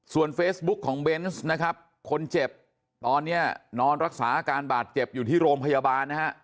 ส่วนเฟซบุ๊กของเบนส์นะครับคนเจ็บตอนนี้นอนรักษาอาการบาดเจ็บอยู่ที่โรงพยาบาลนะฮะ